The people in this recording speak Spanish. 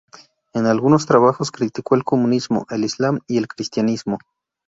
En algunos trabajos criticó el comunismo, el islam y el cristianismo.